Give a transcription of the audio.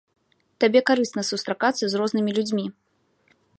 Табе карысна сустракацца з рознымі людзьмі.